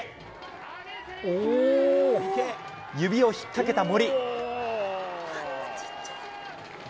指を引っ掛けた森。